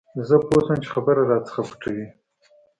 زه پوه سوم چې خبره رانه پټوي.